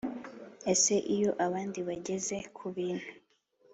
Ese iyo abandi bageze ku bintu